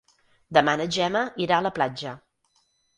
Demà na Gemma irà a la platja.